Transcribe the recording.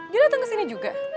dia dateng kesini juga